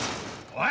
おい！